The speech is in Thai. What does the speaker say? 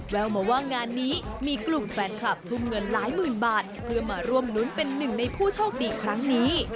แววมาว่างานนี้มีกลุ่มแฟนคลับซุ่มเงินหลายหมื่นบาทเพื่อมาร่วมรุ้นเป็นหนึ่งในผู้โชคดีครั้งนี้